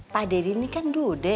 pak deddy ini kan dude